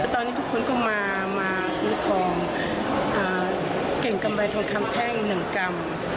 ตอนนี้ทุกคนก็มาซื้อทองเก่งกำไรทองคำแท่ง๑กรัม